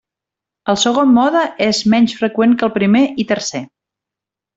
El segon mode és menys freqüent que el primer i tercer.